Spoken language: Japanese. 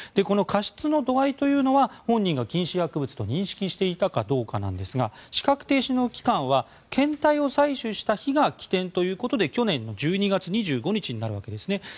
この過失の度合いというのは本人が禁止薬物と認識していたかどうかなんですが資格停止の期間は検体を採取した日が起点ということで去年の１２月２５日になるわけですね。